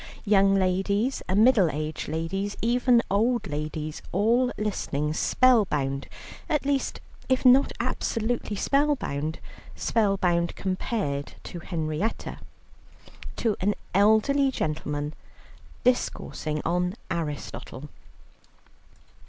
Young ladies, middle aged ladies, even old ladies, all listening spellbound at least if not absolutely spellbound, spellbound compared to Henrietta to an elderly gentleman discoursing on Aristotle.